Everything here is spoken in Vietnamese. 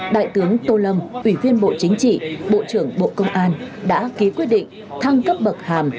đại tướng tô lâm ủy viên bộ chính trị bộ trưởng bộ công an đã ký quyết định thăng cấp bậc hàm